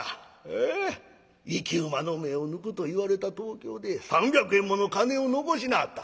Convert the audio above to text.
生き馬の目を抜くといわれた東京で３００円もの金を残しなはった。